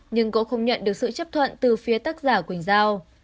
nhưng cũng không nhận được sự chấp thuận từ phía tác giả quỳnh giao